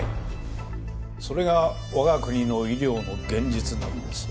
それが我が国の医療の現実なんです。